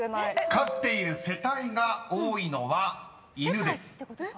［飼っている世帯が多いのは犬です］